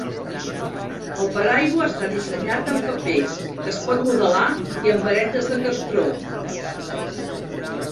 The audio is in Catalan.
El paraigua està dissenyat amb paper, que es pot modelar, i amb varetes de cartró.